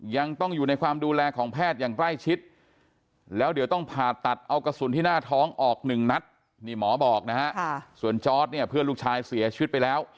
ยังต้องอยู่ในความดูแลของแพทย์อย่างใกล้ชิด